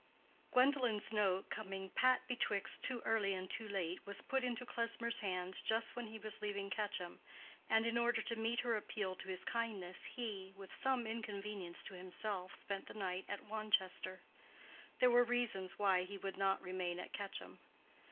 Gwendolen's note, coming "pat betwixt too early and too late," was put into Klesmer's hands just when he was leaving Quetcham, and in order to meet her appeal to his kindness he, with some inconvenience to himself spent the night at Wanchester. There were reasons why he would not remain at Quetcham.